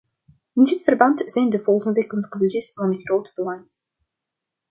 In dit verband zijn de volgende conclusies van groot belang.